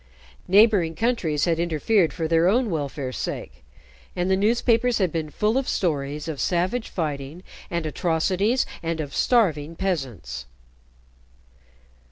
Neighboring countries had interfered for their own welfare's sake, and the newspapers had been full of stories of savage fighting and atrocities, and of starving peasants.